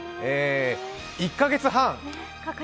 １か月半？